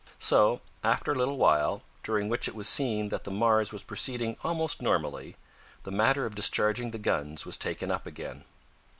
So, after a little while, during which it was seen that the Mars was proceeding almost normally, the matter of discharging the guns was taken up again.